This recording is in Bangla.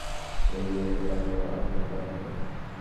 মাকে রক্ষা করতে ছোট মেয়ে এগিয়ে এলে তাকেও মারধর করা হয়।